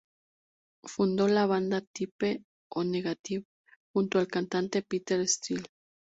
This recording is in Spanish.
Fundó la banda Type O Negative junto al cantante Peter Steele.